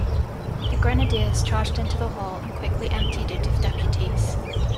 The grenadiers charged into the hall and quickly emptied it of deputies.